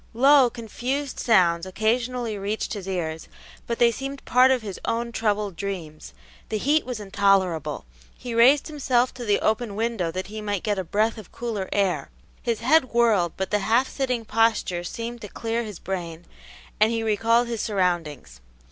Low, confused sounds occasionally reached his ears, but they seemed part of his own troubled dreams. The heat was intolerable; he raised himself to the open window that he might get a breath of cooler air; his head whirled, but the half sitting posture seemed to clear his brain, and he recalled his surroundings.